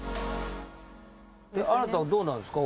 あなたはどうなんですか？